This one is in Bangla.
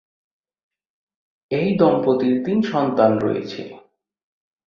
এই দম্পতির তিন সন্তান রয়েছে।